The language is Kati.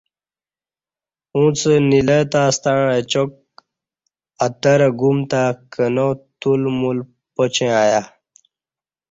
اُݩڅ نیلہ تہ ستݩع اچاک اتہ رہ گُوم تہ، کنا، تول مول پاچں ایہ